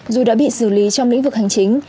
dù đã bị xử lý trong lĩnh vực hành chính